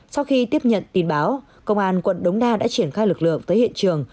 sau khi tiếp nhận tin báo công an quận đống đa đã triển khai lực lượng tới hiện trường